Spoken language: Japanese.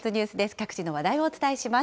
各地の話題をお伝えします。